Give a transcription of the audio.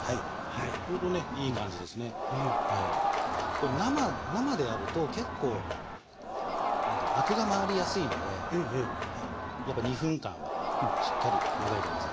これ生でやると結構何ていうんだろうアクが回りやすいのでやっぱ２分間はしっかり湯がいて下さい。